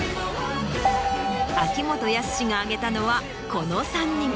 秋元康が挙げたのはこの３人。